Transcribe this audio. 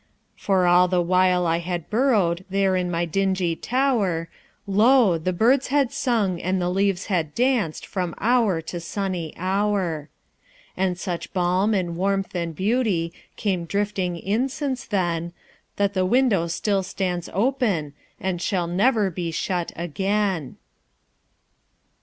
For all the while I had burrowedThere in my dingy tower, Lo! the birds had sung and the leaves had dancedFrom hour to sunny hour. And such balm and warmth and beautyCame drifting in since then, That the window still stands openAnd shall never be shut again.